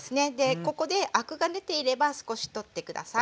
ここでアクが出ていれば少し取って下さい。